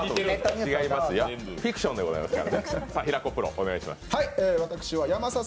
違いますよ、フィクションでございますからね。